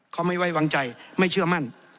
เขาไม่ไว้วางใจไม่เชื่อมั่น